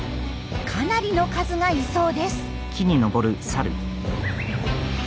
かなりの数がいそうです。